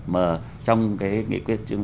mà trong cái